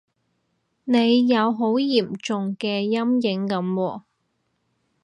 你有好嚴重嘅陰影噉喎